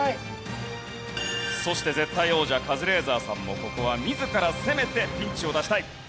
そして絶対王者カズレーザーさんもここは自ら攻めてピンチを脱したい。